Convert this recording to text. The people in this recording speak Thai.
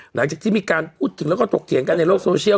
หลังจากที่มีการพูดถึงแล้วก็ถกเถียงกันในโลกโซเชียล